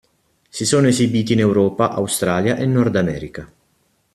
Si sono esibiti in Europa, Australia e Nord America.